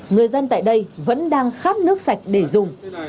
người dân tại đây vẫn đang khát nước sạch để dùng